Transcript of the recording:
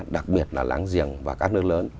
đặc biệt là láng giềng và các nước lớn